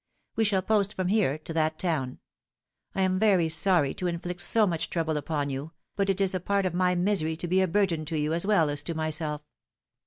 We shall post from here to that town. I am very sorry to inflict so much trouble upon you, but it is a par* of my misery to be a burden to you as well as to myself.